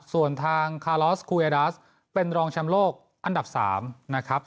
ส่วนทางคาลอสคูเอดัสเป็นรองแชมป์โลกอันดับ๓นะครับ